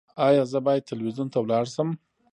ایا زه باید تلویزیون ته لاړ شم؟